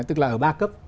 tức là ở ba cấp